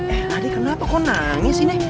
eh ari kenapa kok nangis ini